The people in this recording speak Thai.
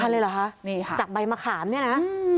๓๐๐๐เลยเหรอค่ะจากใบมะขามเนี่ยนะ